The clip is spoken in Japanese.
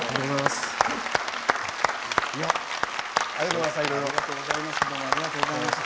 ありがとうございます。